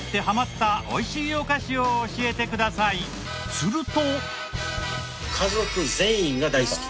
すると。